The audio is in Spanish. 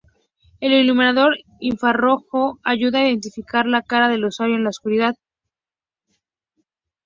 El iluminador infrarrojo ayuda a identificar la cara del usuario en la oscuridad.